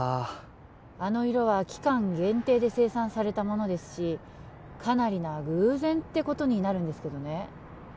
あの色は期間限定で生産されたものですしかなりな偶然ってことになるんですけどね